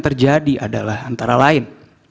terjadi adalah antara lain